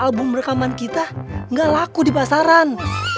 album rekaman kita nggak laku di pasaran